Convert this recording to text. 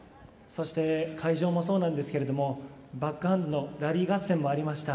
会場もそうなんですがバックハンドのラリー合戦もありました。